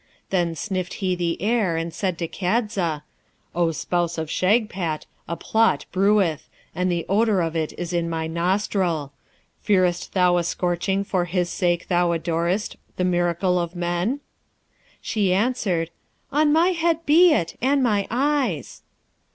Then sniffed he the air, and said to Kadza, 'O spouse of Shagpat, a plot breweth, and the odour of it is in my nostril. Fearest thou a scorching for his sake thou adorest, the miracle of men?' She answered, 'On my head be it, and my eyes!'